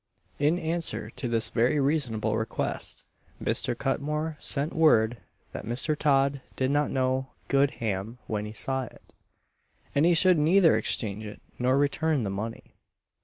In answer to this very reasonable request, Mr. Cutmore sent word that Mr. Todd did not know good ham when he saw it, and he should neither exchange it nor return the money.